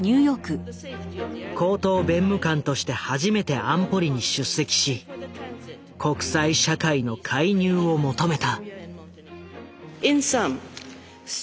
高等弁務官として初めて安保理に出席し国際社会の介入を求めた。